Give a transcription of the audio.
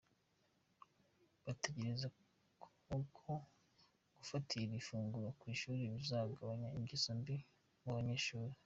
Batekereza ko gufatira ifunguro ku ishuri bizagabanya ingeso mbi mu banyeshuri.